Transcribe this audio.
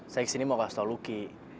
saya kesini mau kasih tau lucky